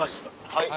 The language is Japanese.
はい。